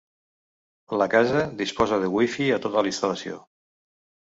La casa disposa de Wifi a tota la instal·lació.